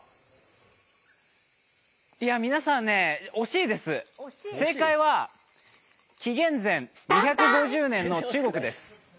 皆さん惜しいです、正解は、紀元前２５０年の中国です。